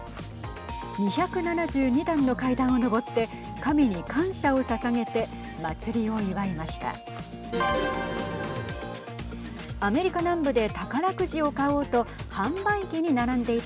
２７２段の階段を上って神に感謝をささげて祭りを祝いました。